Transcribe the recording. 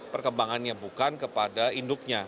perkembangannya bukan kepada induknya